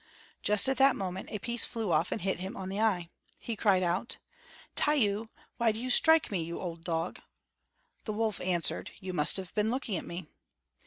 Just at that moment a piece flew off and hit him on the eye. He cried out: "Tyau, why do you strike me, you old dog?" The wolf answered "You must have been looking at me."